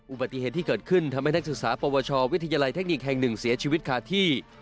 อุบัติเหตุที่เกิดขึ้นทำให้นักศึกษาปวชวิทยาลัยเทคนิคแห่งหนึ่งเสียชีวิตคาที่